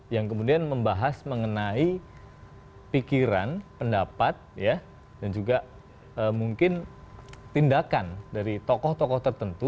yang kemudian membahas mengenai pikiran pendapat dan juga mungkin tindakan dari tokoh tokoh tertentu